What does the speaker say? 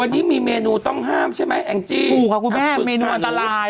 วันนี้มีเมนูต้องห้ามใช่ไหมแองจี้ถูกค่ะคุณแม่คุณเมนูอันตราย